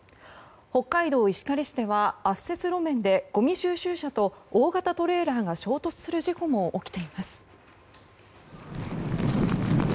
北海道石狩市では圧雪路面でごみ収集車と大型トレーラーが衝突する事故も起きています。